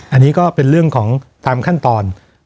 อันนี้ก็เป็นเรื่องของตามขั้นตอน